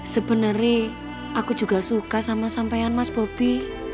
sebenernya aku juga suka sama sampean mas bobby